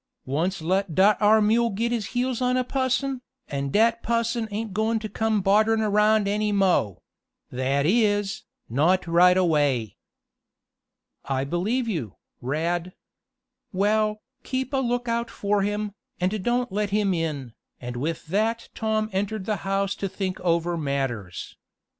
Once let dat ar' mule git his heels on a pusson, an' dat pusson ain't goin' t' come bodderin' around any mo' that is, not right away." "I believe you, Rad. Well, keep a lookout for him, and don't let him in," and with that Tom entered the house to think over matters.